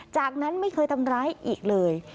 จากนั้นไม่เคยทำร้ายอีกเลย